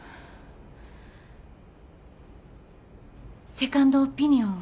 セカンドオピニオンを。